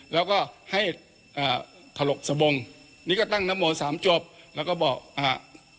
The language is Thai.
แล้วก็ให้อ่าถลกสบงนี่ก็ตั้งนโมสามจบแล้วก็บอกอ่า